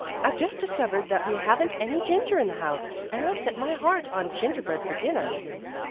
I've just discovered that we haven't any ginger in the house, and I've set my heart on gingerbread for dinner."